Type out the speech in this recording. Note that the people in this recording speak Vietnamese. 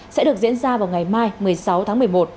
sẽ được diễn ra vào ngày mai một mươi sáu tháng một mươi một